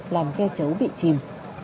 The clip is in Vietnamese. làm ghe chấu bị chìm